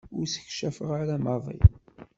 Ur ssekcafeɣ ara maḍi.